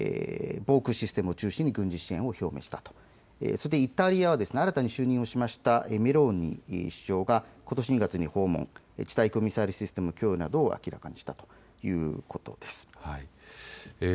去年１１月にはイギリスのスナク首相が訪問して防空システムを中心に軍事支援を表明したという、そしてイタリアは新たに就任したメローニ首相がことし２月に訪問、地対空ミサイルシステム供与などを明らかにしたということです。